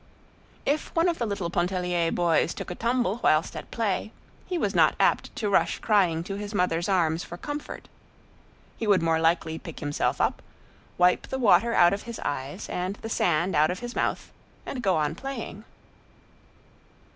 If one of the little Pontellier boys took a tumble whilst at play, he was not apt to rush crying to his mother's arms for comfort; he would more likely pick himself up, wipe the water out of his eyes and the sand out of his mouth, and go on playing.